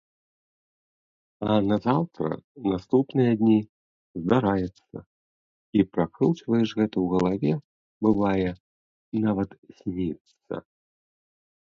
А назаўтра, наступныя дні, здараецца, і пракручваеш гэта ў галаве, бывае, нават сніцца.